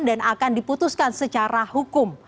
dan akan diputuskan secara hukum